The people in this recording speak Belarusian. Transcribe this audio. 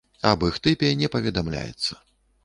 Аб іх тыпе не паведамляецца.